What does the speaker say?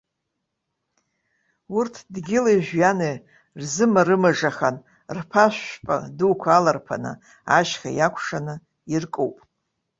Урҭ, дгьыли-жәҩани рзымарымажахан, рԥашә шәпа дуқәа аларԥаны, ашьха иакәшаны иркуп.